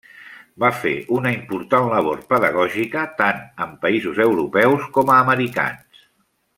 Va fer una important labor pedagògica tant en països europeus com a americans.